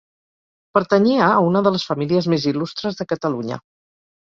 Pertanyia a una de les famílies més il·lustres de Catalunya.